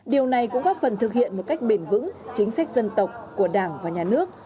điều này cũng góp phần thực hiện một cách bền vững chính sách dân tộc của đảng và nhà nước